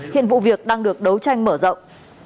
hiện vụ việc đang được đấu tranh mở rộng